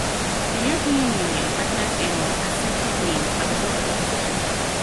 The European Union recognised animals as sentient beings as a result of their petition.